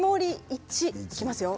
いきますよ。